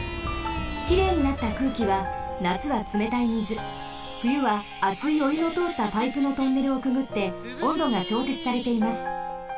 きれいになった空気はなつはつめたいみずふゆはあついおゆのとおったパイプのトンネルをくぐっておんどがちょうせつされています。